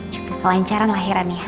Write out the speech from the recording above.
coba kelancaran lahiran ya